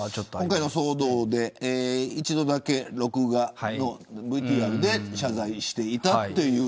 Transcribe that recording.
今回の騒動で一度だけ録画のＶＴＲで謝罪していた。